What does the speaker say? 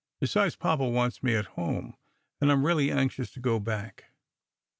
Besides, papa wants me at home, and I am really ai xious to go back."